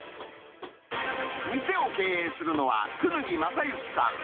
店を経営するのは、功刀正行さん。